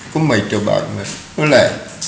có mấy triệu bạc mà nó lẻ